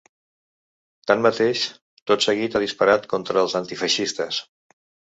Tanmateix, tot seguit ha disparat contra els antifeixistes.